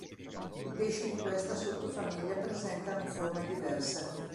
I pesci di questa sottofamiglia presentano forme diverse.